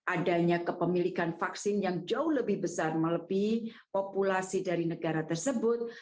adanya kepemilikan vaksin yang jauh lebih besar melebihi populasi dari negara tersebut